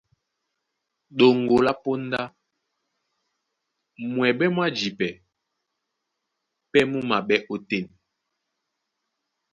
Ɗoŋgo lá póndá, mwɛɓɛ́ mwá jipɛ pɛ́ mú maɓɛ́ ótên.